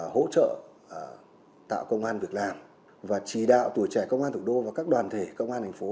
hỗ trợ tạo công an việc làm và chỉ đạo tuổi trẻ công an thủ đô và các đoàn thể công an thành phố